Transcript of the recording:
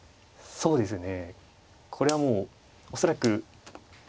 そうですね。